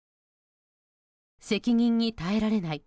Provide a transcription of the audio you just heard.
責任に耐えられない。